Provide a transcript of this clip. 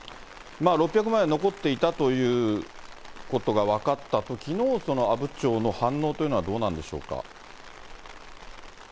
６００万円残っていたということが分かったときの阿武町の反応というのは、どうなんでしょうか。